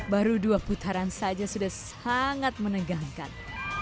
baru dua putaran saja sudah sangat menegangkan